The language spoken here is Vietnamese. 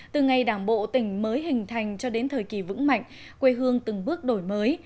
từ ngày đảng bộ tỉnh mới hình thành cho đến thời kỳ vững mạnh quê hương từng bước đổi mới